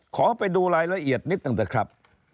ขอไปดูรายละเอียดนิดหนึ่งเถอะครับ